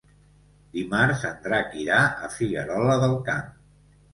Dimarts en Drac irà a Figuerola del Camp.